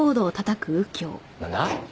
なんだ？